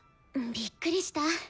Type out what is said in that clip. びっくりした。